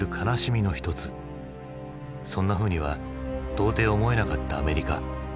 そんなふうには到底思えなかったアメリカ。